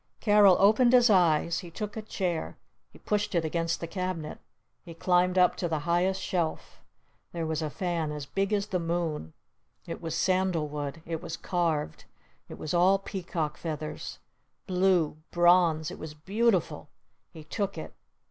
Carol opened his eyes. He took a chair. He pushed it against the cabinet. He climbed up to the highest shelf. There was a fan as big as the moon! It was sandalwood! It was carved! It was all peacock feathers! Blue! Bronze! It was beautiful! He took it!